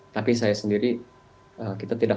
tapi saya sendiri kita tidak